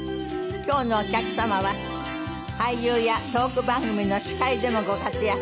今日のお客様は俳優やトーク番組の司会でもご活躍